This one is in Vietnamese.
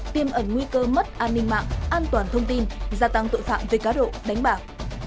tiêm ẩn nguy cơ mất an ninh mạng an toàn thông tin gia tăng tội phạm về cá độ đánh bạc